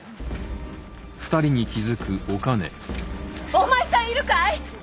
お前さんいるかい！